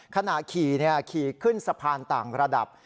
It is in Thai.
ขณะขี่ขี่ขึ้นสะพานต่างระดับ